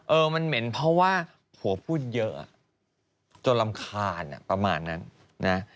เออมันเหม็นเพราะว่าผัวพูดเยอะจนรำคาญประมาณนั้นนะ